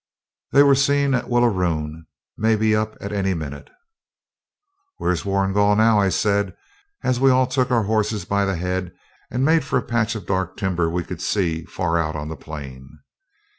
They were seen at Willaroon; may be up at any minute.' 'Where's Warrigal now?' I said, as we all took our horses by the head and made for a patch of dark timber we could see far out on the plain.